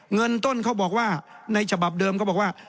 เงินต้นเขาบอกว่าในฉบับเดิมเขาบอกว่า